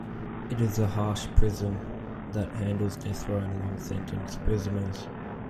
It is a harsh prison that handles death row and long-sentence prisoners.